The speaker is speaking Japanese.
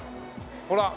ほら。